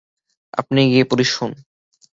আপনি গিয়ে পুলিশ হন।